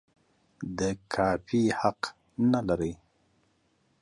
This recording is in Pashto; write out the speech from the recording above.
د کاپي حق نه لري.